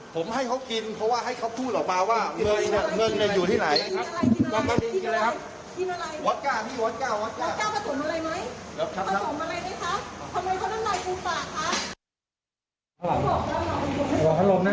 ผมให้เขากินเพราะว่าให้เขาพูดออกมาว่าเมืองน่ะ